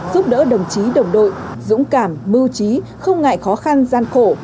giúp đỡ đồng chí đồng đội dũng cảm mưu trí không ngại khó khăn gian khổ